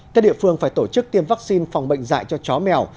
các địa phương phải tổ chức tiêm vaccine phòng bệnh dạy cho chó mèo